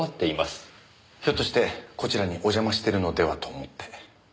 ひょっとしてこちらにお邪魔してるのではと思って。